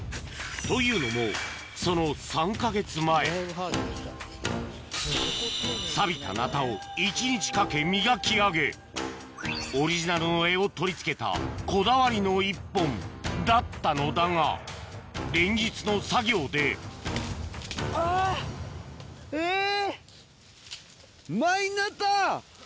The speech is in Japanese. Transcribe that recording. というのもその３か月前さびたナタを一日かけ磨き上げオリジナルの柄を取り付けたこだわりの一本だったのだが連日の作業でえぇ！